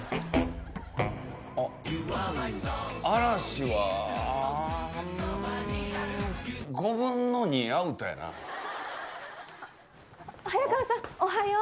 あっ、嵐は、うーん、５分の２アウトやな。早川さん、おはよう。